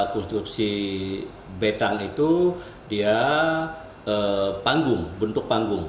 konstruksi betang itu bentuk panggung